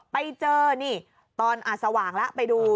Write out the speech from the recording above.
ไปเจอนี่ตอนสว่างแล้วไปดู